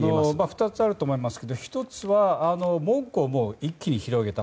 ２つあると思いますが１つは、門戸を一気に広げた。